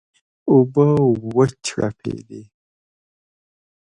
اوبه وچړپېدې.